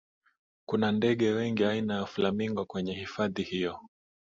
kuna ndege wengi aina ya flamingo kwenye hifadhi hiyo